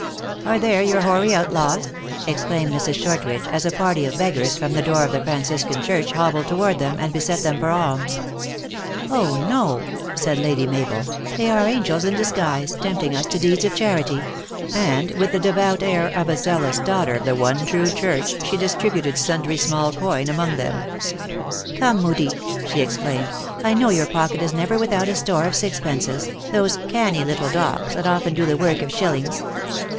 " Are there your hoary outlaws ?" exclaimed Mrs. Shortridge, as a party of beggars from the door of the Franciscan church hobbled toward them, and beset them for alms. " Oh, no !" said Lady Mabel, " they are angels in 174 THE ACTRESS IN HIGH LIFE. disguise, tempting us to deeds of charity ;" and with the devout air of a zealous daughter of the one true church, she distributed sundry small coin among them. " Come, Moodie," she exclaimed, " I know your pocket is never without a store of sixpences, those canny little dogs, that often do the work of shil lings.